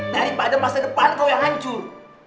daripada masa depan kau yang hancur